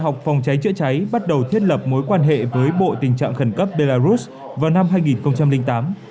bộ công tác phòng cháy chữa cháy bắt đầu thiết lập mối quan hệ với bộ tình trạng khẩn cấp belarus vào năm hai nghìn tám